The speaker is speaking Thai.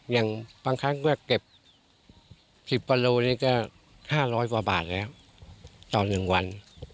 อย่างบางครั้งเก็บ๑๐ประโลกรัมนี่ก็๕๐๐บาทประมาณแล้วต่อ๑วัน